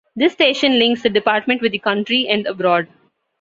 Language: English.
This station links the department with the country and abroad.